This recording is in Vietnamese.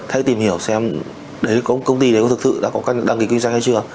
hãy tìm hiểu xem công ty đấy có thực sự đã có đăng ký kinh doanh hay chưa